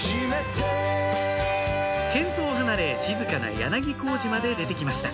けんそうを離れ静かな柳小路まで出てきました